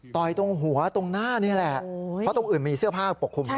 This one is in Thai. ตรงหัวตรงหน้านี่แหละเพราะตรงอื่นมีเสื้อผ้าปกคลุมอยู่